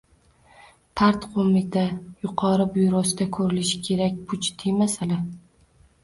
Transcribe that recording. Partqo‘mita yuqori byurosida ko‘rilishi kerak bu “jiddiy” masala